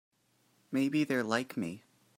Maybe they're like me.